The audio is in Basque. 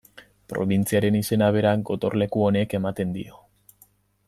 Probintziaren izena bera gotorleku honek ematen dio.